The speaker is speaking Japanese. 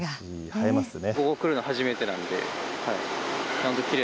映えますね。